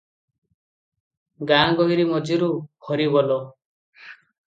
ଗାଁ ଗୋହିରୀ ମଝିରୁ 'ହରିବୋଲ!